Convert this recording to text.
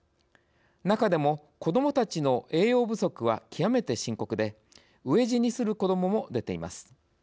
中でも、子どもたちの栄養不足は極めて深刻で飢え死にする子どもも出ています。